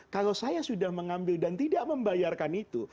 kalau saya sudah mengambil dan tidak membayarkan itu